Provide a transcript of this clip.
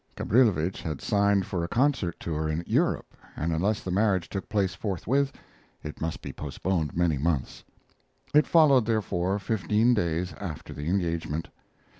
Gabrilowitsch had signed for a concert tour in Europe, and unless the marriage took place forthwith it must be postponed many months. It followed, therefore, fifteen days after the engagement.